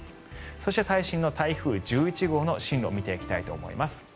そして、最新の台風１１号の進路を見ていきたいと思います。